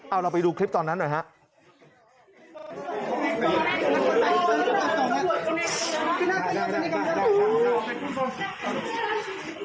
เอาเราไปดูคลิปตอนนั้นหน่อยครับ